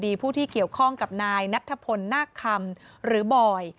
ผู้ที่เกี่ยวข้องกับนายนัทธพลนาคคำหรือบอย